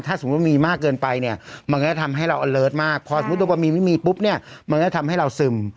ถ้าสมมุติมีมากเกินไปเนี่ยมันก็จะทำให้เราอเลิศมากพอสมมุติว่ามีไม่มีปุ๊บเนี่ยมันก็ทำให้เราซึม